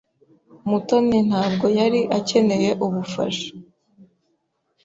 Mutoni ntabwo yari akeneye ubufasha.